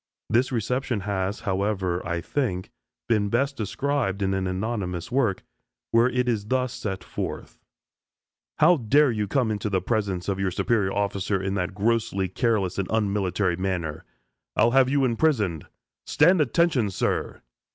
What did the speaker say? This reception has, however, I think, been best described in an anonymous work, where it is thus set forth: "How dare you come into the presence of your superior officer in that grossly careless and unmilitary manner? I'll have you imprisoned. Stand, attention, sir!"